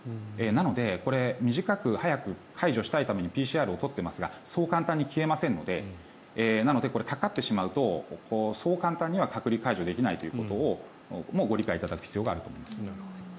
なので短く早く解除したいためにＰＣＲを取っていますがそう簡単に消えませんのでなので、かかってしまうとそう簡単には隔離は解除できないということをご理解いただく必要があると思います。